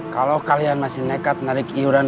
kalau kalian masih nekat narik iuran